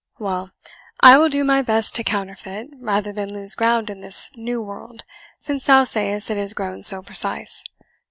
Well, I will do my best to counterfeit, rather than lose ground in this new world, since thou sayest it is grown so precise.